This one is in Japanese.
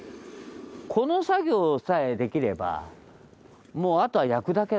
この作業さえできればもうあとは焼くだけだから。